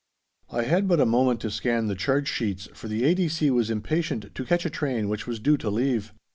I had but a moment to scan the charge sheets, for the A.D.C. was impatient to catch a train which was due to leave.